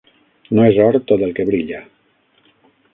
No és or tot el que brilla